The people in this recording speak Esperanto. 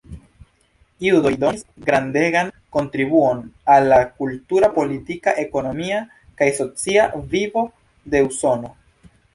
Judoj donis grandegan kontribuon al la kultura, politika, ekonomia kaj socia vivo de Usono.